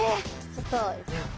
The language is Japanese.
ちょっと。